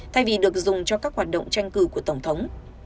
thay vì được dùng cho các hoạt động tranh cử của tổng thống